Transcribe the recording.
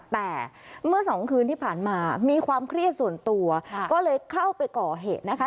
แต่เมื่อสองคืนที่ผ่านมามีความเครียดส่วนตัวก็เลยเข้าไปก่อเหตุนะคะ